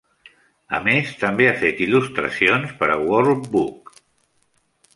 A més, també ha fet il·lustracions per a World Book.